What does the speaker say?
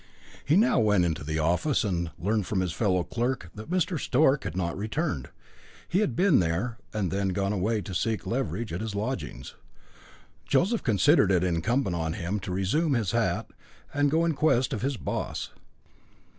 He now went to the office, and learned from his fellow clerk that Mr. Stork had not returned; he had been there, and then had gone away to seek Leveridge at his lodgings. Joseph considered it incumbent on him to resume his hat and go in quest of his "boss."